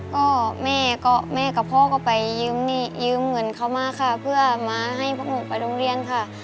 ก็แม่กับพ่อก็ไปยืมเงินเขามาค่ะเพื่อมาให้พวกหนูไปโรงเรียนค่ะ